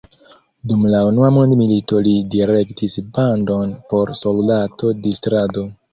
Dum la Unua Mondmilito li direktis bandon por soldato-distrado.